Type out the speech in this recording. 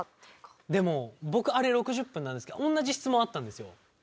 でも僕あれ６０分なんですけど同じ質問あったんですよ。